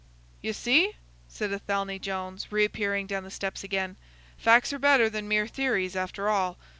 _" "You see!" said Athelney Jones, reappearing down the steps again. "Facts are better than mere theories, after all.